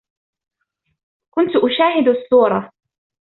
كنت أشاهد الصورة.